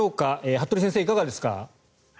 服部先生、いかがですか。